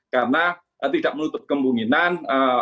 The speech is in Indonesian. karena tidak menutup kemungkinan